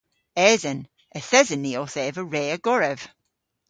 Esen. Yth esen ni owth eva re a gorev.